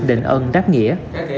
định ân đáp nghĩa